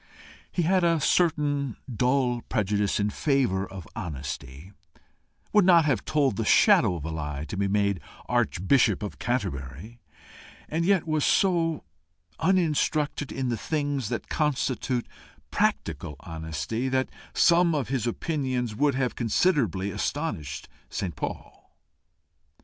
He had a certain dull prejudice in favour of honesty, would not have told the shadow of a lie to be made Archbishop of Canterbury, and yet was so uninstructed in the things that constitute practical honesty that some of his opinions would have considerably astonished St. Paul.